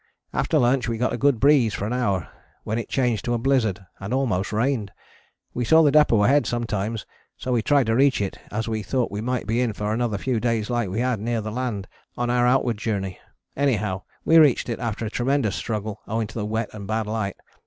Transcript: After lunch we got a good breeze for an hour, when it changed to a blizzard and almost rained. We saw the depôt ahead sometimes, so we tried to reach it as we thought we might be in for another few days like we had near the land on our outward journey. Anyhow we reached it after a tremendous struggle owing to the wet and bad light.